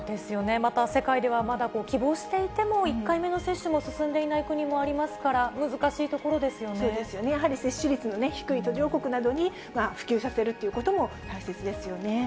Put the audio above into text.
まだ世界では、まだ希望していても１回目の接種も進んでいない国もありますから、そうですよね、やはり接種率の低い途上国などに普及させるということも大切ですよね。